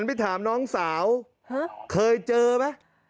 เพราะว่างสาวเคยเจอมั้ย